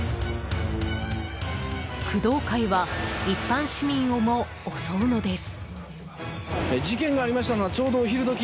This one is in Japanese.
工藤会は一般市民をも襲うのです。